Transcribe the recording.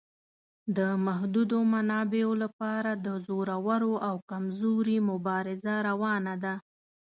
د محدودو منابعو لپاره د زورور او کمزوري مبارزه روانه ده.